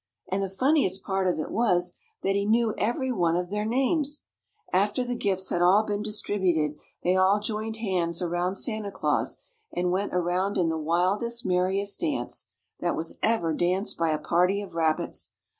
And the funniest part of it was, that he knew every one of their names. After the gifts had all been distributed they all joined hands around Santa Claus, and went around in the wildest, merriest dance, that was ever danced by a party of rabbits.